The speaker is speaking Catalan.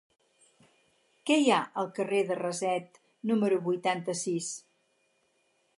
Què hi ha al carrer de Raset número vuitanta-sis?